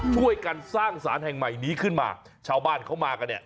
ช่วยกันสร้างสารแห่งใหม่นี้ขึ้นมาชาวบ้านเขามากันเนี่ย